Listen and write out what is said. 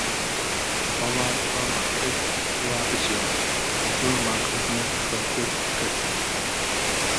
بەڵام وامان کرد، وا بچێ، زۆرمان خزمەت بە کورد کرد